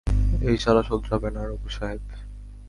এই শালা শোধরাবে না, রঘু সাহেব।